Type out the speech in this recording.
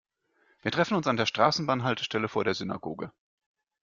Wir treffen uns an der Straßenbahnhaltestelle vor der Synagoge.